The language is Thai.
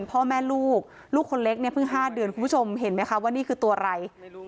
พ่อแม่ลูกลูกคนเล็กเนี่ยเพิ่ง๕เดือนคุณผู้ชมเห็นไหมคะว่านี่คือตัวอะไร